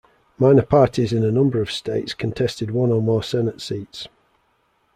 Minor parties in a number of states contested one or more Senate seats.